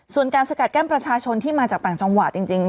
ส่วนการสกัดแก้มประชาชนที่มาจากต่างจังหวัดจริง